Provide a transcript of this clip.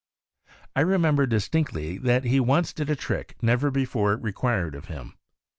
I remember distinctly that he once did a trick never before required of him.